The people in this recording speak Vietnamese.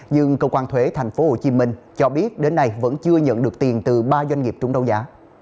nhưng cơ quan thuế tp hcm cho biết đến nay vẫn chưa nhận được tiền từ ba doanh nghiệp trúng đấu giá